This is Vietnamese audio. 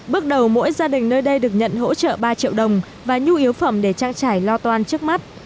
bước đầu mỗi gia đình nơi đây được nhận hỗ trợ ba triệu đồng và nhu yếu phẩm để trang trải lo toan trước mắt